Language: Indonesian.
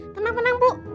tenang tenang bu